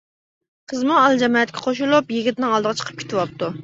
قىزمۇ ئەل-جامائەتكە قوشۇلۇپ يىگىتنىڭ ئالدىغا چىقىپ كۈتۈۋاپتۇ.